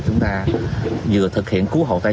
chúng ta vừa thực hiện cứu hộ tay trò